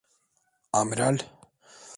Amiral?